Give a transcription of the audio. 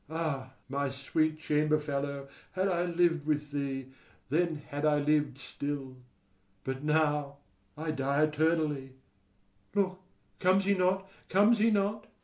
Ah, my sweet chamber fellow, had I lived with thee, then had I lived still! but now I die eternally. Look, comes he not? comes he not? SECOND SCHOLAR.